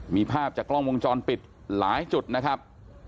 มีภาพจากกล้องวงจรปิดหลายจุดนะครับ